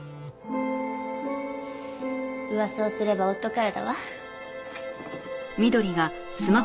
噂をすれば夫からだわ。